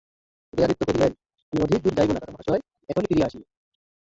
উদয়াদিত্য কহিলেন, আমি অধিক দূর যাইব না দাদামহাশয়, এখনই ফিরিয়া আসিব।